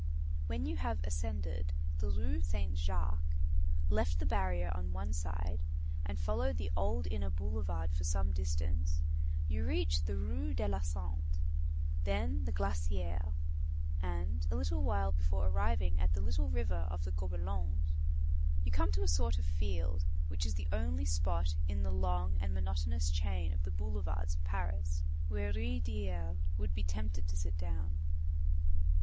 When you have ascended the Rue Saint Jacques, left the barrier on one side and followed the old inner boulevard for some distance, you reach the Rue de la Santé, then the Glacière, and, a little while before arriving at the little river of the Gobelins, you come to a sort of field which is the only spot in the long and monotonous chain of the boulevards of Paris, where Ruysdael would be tempted to sit down.